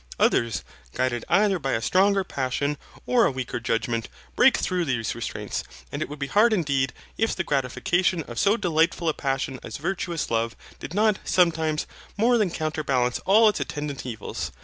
Others, guided either by a stronger passion, or a weaker judgement, break through these restraints, and it would be hard indeed, if the gratification of so delightful a passion as virtuous love, did not, sometimes, more than counterbalance all its attendant evils.